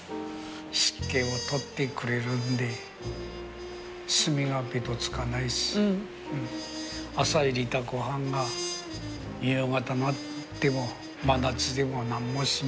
湿気を取ってくれるんで隅がべとつかないし朝入れた御飯が夕方になっても真夏でも何も心配ない。